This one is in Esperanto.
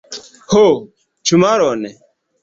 Ho, ĉu maron?